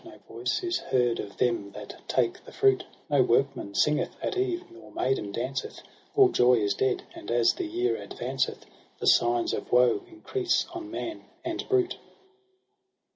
No voice is heard of them that take the fruit No workman singeth at eve nor maiden danceth : All joy is dead, and as the year advanceth The signs of woe increase on man and brute.